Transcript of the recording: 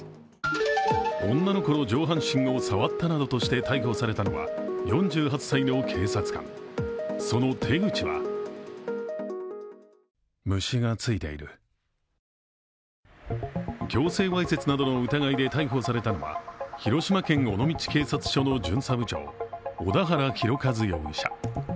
女の子の上半身を触ったなどとして逮捕されたのは４８歳の警察官その手口は強制わいせつなどの疑いで逮捕されたのは広島県尾道警察署の巡査部長小田原弘和容疑者。